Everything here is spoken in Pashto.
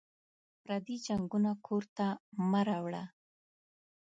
پردي جنګونه کور ته مه راوړه